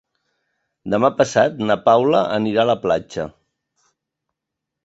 Demà passat na Paula anirà a la platja.